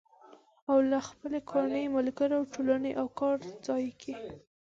او له خپلې کورنۍ، ملګرو، ټولنې او کار ځای کې